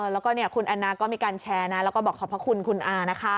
แล้วก็คุณแอนนาก็มีการแชร์นะแล้วก็บอกขอบพระคุณคุณอานะคะ